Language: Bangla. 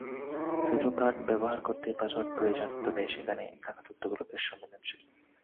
দুটো কার্ড ব্যবহার করতেই পাসওয়ার্ড প্রয়োজন তবে সেখানে থাকা তথ্যগুলো বেশ সংবেদনশীল।